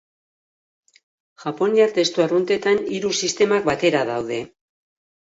Japoniar testu arruntetan hiru sistemak batera daude.